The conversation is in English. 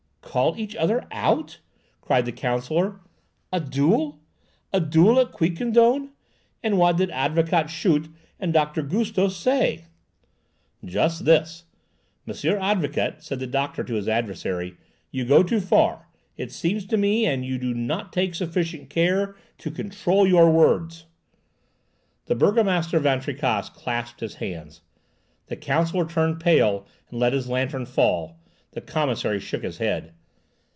"Call each other out!" cried the counsellor. "A duel! A duel at Quiquendone! And what did Advocate Schut and Doctor Gustos say?" "Just this: 'Monsieur advocate,' said the doctor to his adversary, 'you go too far, it seems to me, and you do not take sufficient care to control your words!'" The Burgomaster Van Tricasse clasped his hands—the counsellor turned pale and let his lantern fall—the commissary shook his head.